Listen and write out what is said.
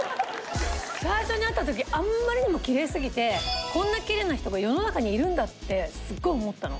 最初に会った時あんまりにもきれいすぎてこんなきれいな人が世の中にいるんだってすごい思ったの。